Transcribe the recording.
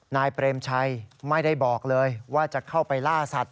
นายเปรมชัยไม่ได้บอกเลยว่าจะเข้าไปล่าสัตว